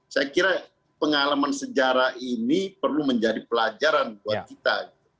saya kira pengalaman sejarah ini perlu menjadi pelajaran buat kita